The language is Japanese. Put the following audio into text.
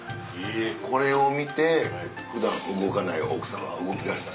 これを見て普段動かない奥さんが動き出した。